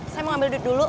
saya mau ambil dut dulu